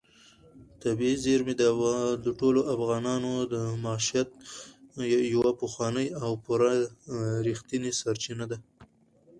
طبیعي زیرمې د ټولو افغانانو د معیشت یوه پخوانۍ او پوره رښتینې سرچینه ده.